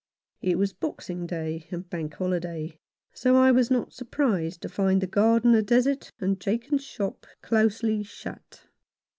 It was Boxing Day and Bank Holiday, so I was not surprised to find the Garden a desert, and Jakins's shop closely shut.